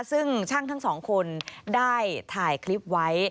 ซึ่งช่างทั้งสองคนได้ถ่ายคลิปไว้